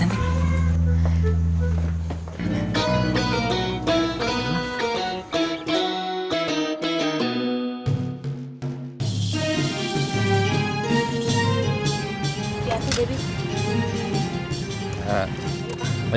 terima kasih dedy